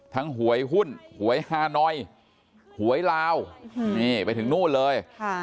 ทั้งหวยหุ้นหวยฮาเน้ยหวยลาวไปถึงนู่นเลย